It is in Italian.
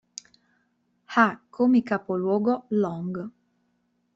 Ha come capoluogo Long.